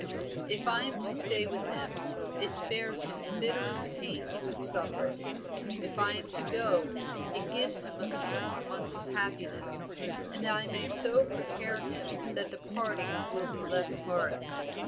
If I am to stay with him, it spares him the bitterest pain he could suffer; if I am to go, it gives him a few more months of happiness, and I may so prepare him that the parting will be less hard.